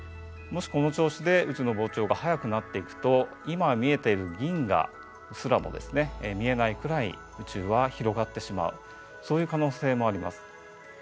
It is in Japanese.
もしこの調子で宇宙の膨張が速くなっていくと今見えている銀河すらも見えないくらい宇宙は広がってしまうそういう可能性もあります。